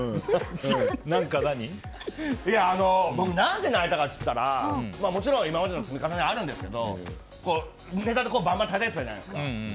僕、何で泣いたかと言ったらもちろん今までの積み重ねはあるんですけどネタでバンバンたたいてたじゃないですか。